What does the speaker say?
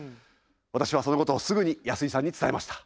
私はそのことをすぐに安井さんに伝えました。